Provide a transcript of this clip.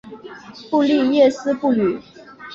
布利耶斯布吕。